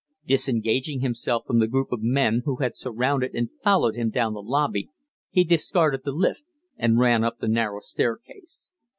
Disengaging himself from the group of men who had surrounded and followed him down the lobby, he discarded the lift and ran up the narrow staircase.